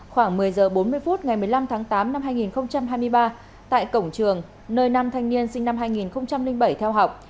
khoảng một mươi h bốn mươi phút ngày một mươi năm tháng tám năm hai nghìn hai mươi ba tại cổng trường nơi nam thanh niên sinh năm hai nghìn bảy theo học